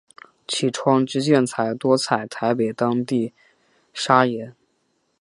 其窗之建材多采台北当地砂岩。